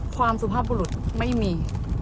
ความสุภาพบุรุษไม่มี